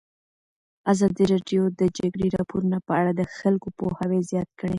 ازادي راډیو د د جګړې راپورونه په اړه د خلکو پوهاوی زیات کړی.